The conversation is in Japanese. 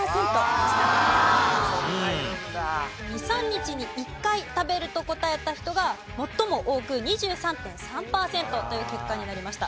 ２３日に１回食べると答えた人が最も多く２３．３パーセントという結果になりました。